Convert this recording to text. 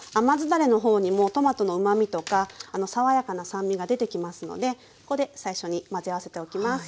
だれの方にもトマトのうまみとか爽やかな酸味が出てきますのでここで最初に混ぜ合わせておきます。